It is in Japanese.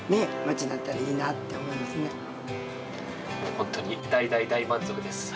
本当に大大大満足です。